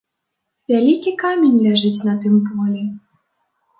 Вялікі камень ляжыць на тым полі.